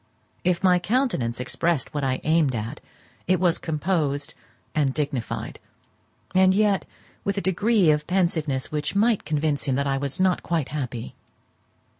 If my countenance expressed what I aimed at, it was composed and dignified; and yet, with a degree of pensiveness which might convince him that I was not quite happy.